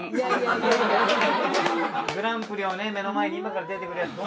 グランプリを目の前に今から出てくるヤツ